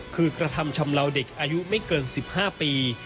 คือกระทำชำลาวเด็กอายุไม่เกิน๑๕ปี